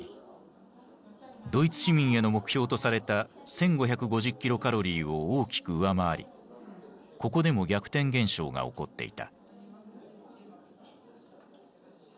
ドイツ市民への目標とされた１，５５０キロカロリーを大きく上回りここでも逆転現象が起こっていた。